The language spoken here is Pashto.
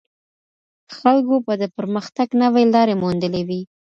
خلګو به د پرمختګ نوې لارې موندلې وي.